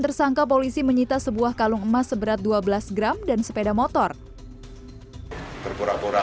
tersangka polisi menyita sebuah kalung emas seberat dua belas gram dan sepeda motor berpura pura